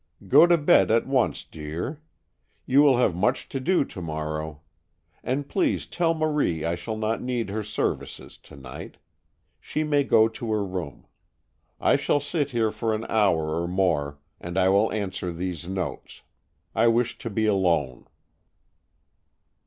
Go to bed at once, dear. You will have much to do to morrow. And please tell Marie I shall not need her services to night. She may go to her room. I shall sit here for an hour or more, and I will answer these notes. I wish to be alone."